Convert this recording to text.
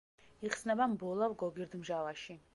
იხსნება მბოლავ გოგირდმჟავაში.